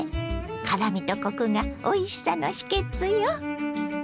辛みとコクがおいしさの秘けつよ。